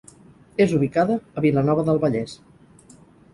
És ubicada a Vilanova del Vallès.